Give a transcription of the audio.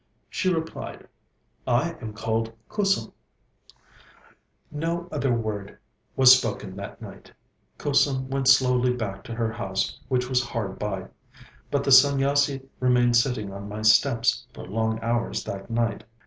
She replied: 'I am called Kusum.' No other word was spoken that night. Kusum went slowly back to her house which was hard by. But the Sanyasi remained sitting on my steps for long hours that night.